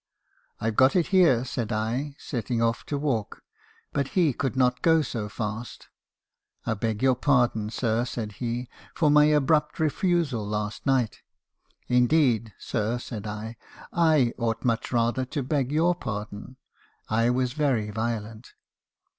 Mil 've got it here ,' said I , setting off to walk ; but he could not go so fast. "'I beg your pardon, sir,' said he, 'for my abrupt refusal last night.' "'Indeed, sir,' said I; 'I ought much rather to beg your pardon. I was very violent.'